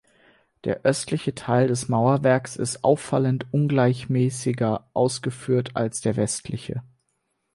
Der östliche Teil des Mauerwerks ist auffallend ungleichmäßiger ausgeführt als der westliche.